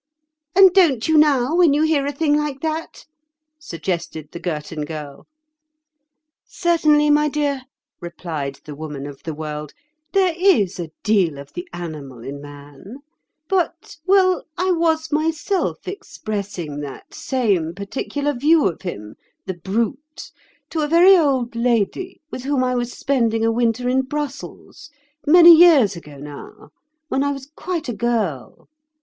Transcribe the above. "And don't you now, when you hear a thing like that?" suggested the Girton Girl. "Certainly, my dear," replied the Woman of the World; "there is a deal of the animal in man; but—well, I was myself expressing that same particular view of him, the brute, to a very old lady with whom I was spending a winter in Brussels, many years ago now, when I was quite a girl.